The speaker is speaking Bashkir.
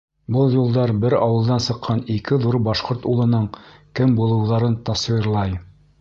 Был юлдар бер ауылдан сыҡҡан ике ҙур башҡорт улының кем булыуҙарын тасуирлай.